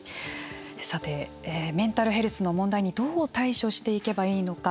さて、メンタルヘルスの問題にどう対処していけばいいのか。